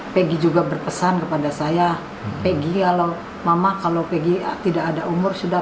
peggy juga berpesan kepada saya peggy kalau mama kalau pergi tidak ada umur sudah